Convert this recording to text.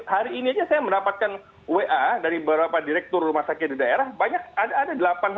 hari ini saja saya mendapatkan wa dari beberapa direktur rumah sakit di daerah